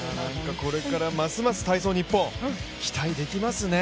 これからますます体操ニッポン、期待できますね。